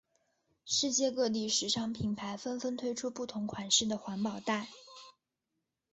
世界各地时尚品牌纷纷推出不同款式环保袋。